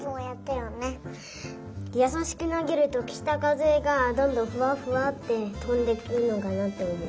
やさしくなげるときたかぜがどんどんふわふわってとんでくるのかなっておもう。